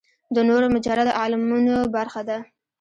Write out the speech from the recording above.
د نورو مجرده عالمونو برخه ده.